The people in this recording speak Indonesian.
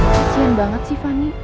kesian banget sih fanny